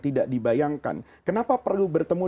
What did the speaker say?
tidak dibayangkan kenapa perlu bertemu